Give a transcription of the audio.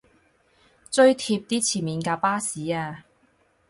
追貼啲前面架巴士吖